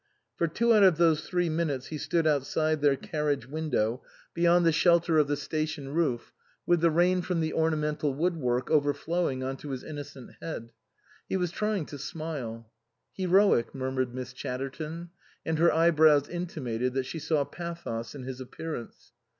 For two out of those three minutes he stood outside their carriage window, beyond the 122 INLAND shelter of the station roof, with the rain from the ornamental wood work overflowing on to his innocent head. He was trying to smile. " Heroic," murmured Miss Chatterton ; and her eyebrows intimated that she saw pathos in his appearance.